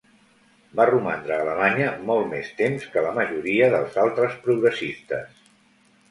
Va romandre a Alemanya molt més temps que la majoria dels altres progressistes.